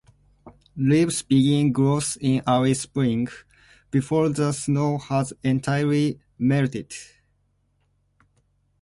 Leaves begin growth in early spring, before the snow has entirely melted.